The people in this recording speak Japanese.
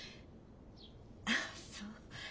あっそう。